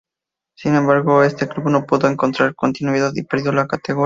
Sin embargo, en este club no pudo encontrar continuidad y perdió la categoría.